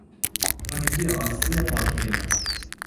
پارگی آستین پالتوی من